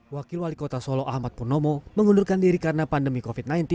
wakil wali kota solo ahmad purnomo mengundurkan diri karena pandemi covid sembilan belas